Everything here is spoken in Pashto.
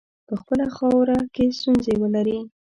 په خپله خاوره کې ستونزي ولري.